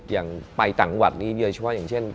อย่างไปต่างวัดนี้โดยเฉพาะอย่างเช่น